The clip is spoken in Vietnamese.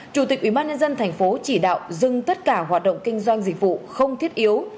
chủ tịch ubnd tp chỉ đạo dừng tất cả hoạt động kinh doanh dịch vụ không thiết yếu